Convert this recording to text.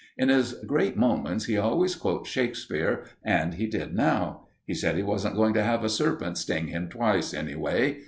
In his great moments he always quotes Shakespeare, and he did now. He said he wasn't going to have a serpent sting him twice, anyway.